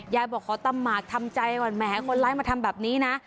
บอกขอตำหมากทำใจก่อนแหมคนร้ายมาทำแบบนี้นะ